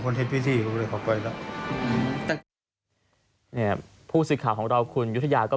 เนี่ยผู้สิทธิ์ข่าวของเราคุณยุธยาก็